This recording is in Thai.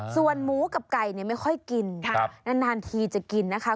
ส่วนหมูกับไก่ไม่ค่อยกินนานทีจะกินนะคะ